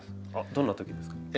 どんなときですか？